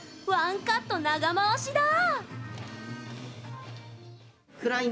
１カット長回しだ！